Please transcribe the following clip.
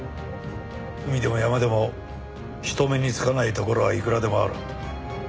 海でも山でも人目につかない所はいくらでもある。